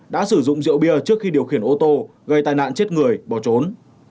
đã sử dụng rượu bia trước khi điều khiển ô tô gây tai nạn chết người bỏ trốn